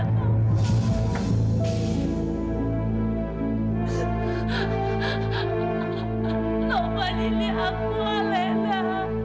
tuhan ini aku alena